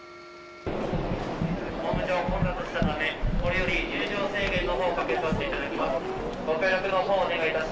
ホーム上、混雑したため、これより入場制限のほうをかけさせていただきます。